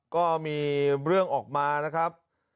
ก็มีเรื่องออกมานะครับ